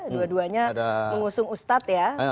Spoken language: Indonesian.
dua duanya mengusung ustadz ya